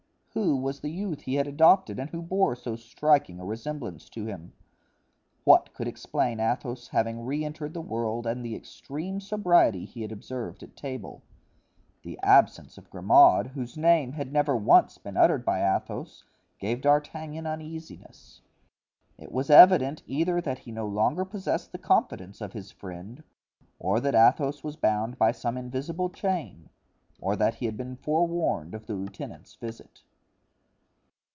Who was the youth he had adopted and who bore so striking a resemblance to him? What could explain Athos's having re entered the world and the extreme sobriety he had observed at table? The absence of Grimaud, whose name had never once been uttered by Athos, gave D'Artagnan uneasiness. It was evident either that he no longer possessed the confidence of his friend, or that Athos was bound by some invisible chain, or that he had been forewarned of the lieutenant's visit.